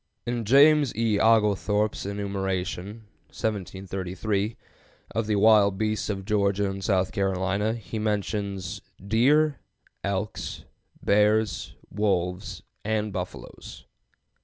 In James E. Oglethorpe's enumeration (A. D. 1733) of the wild beasts of Georgia and South Carolina he mentions "deer, elks, bears, wolves, and buffaloes."